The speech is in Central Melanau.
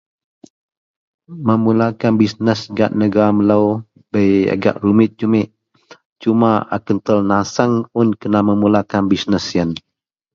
Memulakan bisnes gak negara melou bei agak rumit jumit. Cuma a kentel naseng un kena memulakan bisnes yen.